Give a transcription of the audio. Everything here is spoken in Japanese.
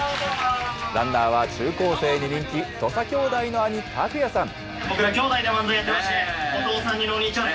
ランナーは中高生に人気、土佐兄弟の兄、卓也さん。